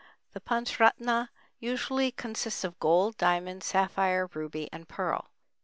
The panchratna usually consists of gold, diamond, sapphire, ruby, and pearl.